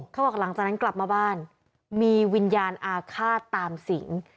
หลังจากนั้นกลับมาบ้านมีวิญญาณอาฆาตตามสิง